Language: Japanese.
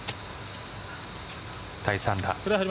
第３打。